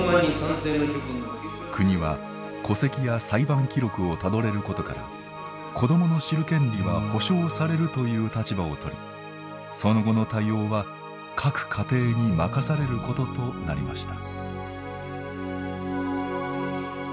国は戸籍や裁判記録をたどれることから子どもの知る権利は保障されるという立場を取りその後の対応は各家庭に任されることとなりました。